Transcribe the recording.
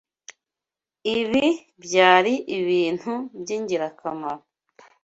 Ibi byari ibintu byingirakamaro.